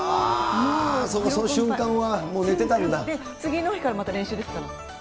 そうか、その瞬間はもう寝て次の日からまた練習ですから。